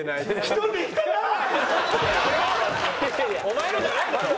お前のじゃないだろ。